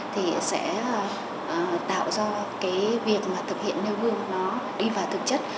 thì sẽ tạo ra cái việc mà thực hiện nêu gương nó đi vào thực chất